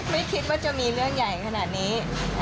ไม่คิดว่าจะมีเรื่องใหญ่ขนาดนี้